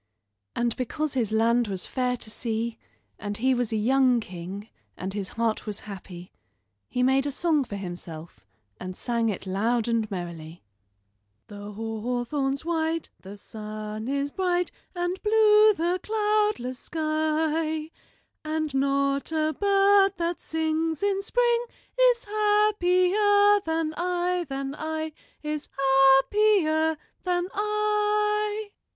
And because his land was fair to see, and he was a young king, and his heart was happy, he made a song for himself and sang it loud and merrily: "The hawthorn's white, the sun is bright, And blue the cloudless sky; And not a bird that sings in spring Is happier than I, than I, Is happier than I."